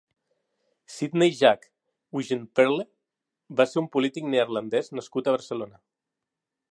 Sidney Jack Wijnperle va ser un polític neerlandès nascut a Barcelona.